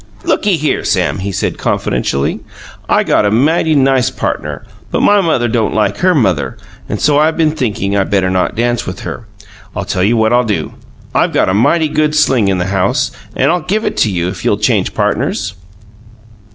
"Looky here, Sam," he said confidentially. "I've got 'a mighty nice partner, but my mother don't like her mother; and so I've been thinking I better not dance with her. I'll tell you what I'll do; I've got a mighty good sling in the house, and I'll give it to you if you'll change partners."